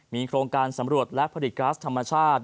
มีโครงการสำรวจและผลิตก๊าซธรรมชาติ